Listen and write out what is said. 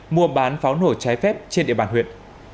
mua bán pháo nổ trái phép trên địa bàn huyện